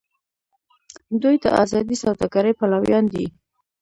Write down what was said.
دوی د ازادې سوداګرۍ پلویان دي.